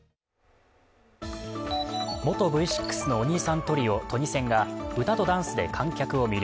元Ｖ６のお兄さんトリオ、トニセンが歌とダンスで観客を魅了。